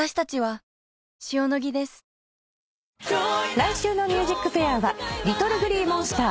来週の『ＭＵＳＩＣＦＡＩＲ』はＬｉｔｔｌｅＧｌｅｅＭｏｎｓｔｅｒ。